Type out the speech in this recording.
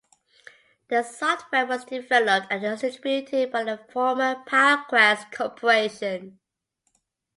The software was developed and distributed by the former PowerQuest Corporation.